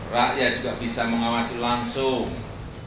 rakyat juga bisa mengawasi langsung